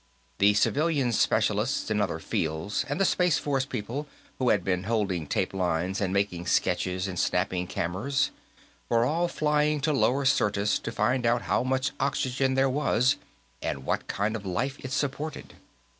The civilian specialists in other fields, and the Space Force people who had been holding tape lines and making sketches and snapping cameras, were all flying to lower Syrtis to find out how much oxygen there was and what kind of life it supported.